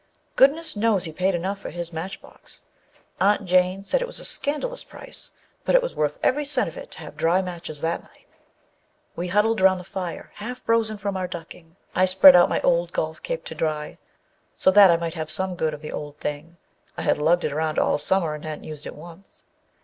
Goodness knows he paid enough for his matchbox; Aunt Jane said it was a scandalous price, but it was worth every cent of it to have dry matches that night. We huddled around the fire, half frozen from our ducking. I spread out my old golf cape to dry, so that I might have some good of the old thing â I had lugged it around all summer and hadn't used it once.